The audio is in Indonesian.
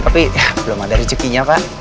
tapi belum ada rezekinya kan